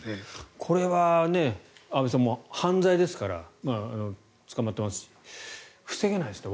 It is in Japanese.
これは安部さん犯罪ですから捕まっていますし防げないですからね